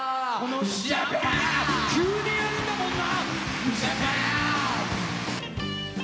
急にやるんだもんな！